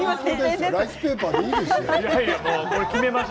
ライスペーパーでいいでしょ。